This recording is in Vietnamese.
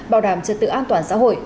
bảo đảm trật tự an toàn xã hội